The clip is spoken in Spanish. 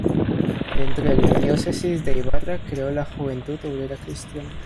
Dentro de la diócesis de Ibarra creó la Juventud Obrera Cristiana.